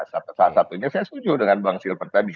salah satunya saya setuju dengan bang silver tadi